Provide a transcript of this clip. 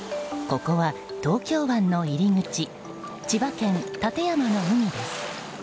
ここは東京湾の入り口千葉県館山の海です。